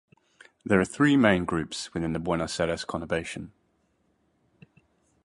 There are three main groups within the Buenos Aires' Conurbation.